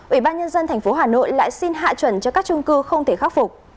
ủy ban nhân dân tp hà nội lại xin hạ chuẩn cho các trung cư không thể khắc phục